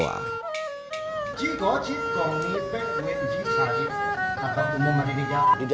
ketika di gudo penonton penonton yang berbeda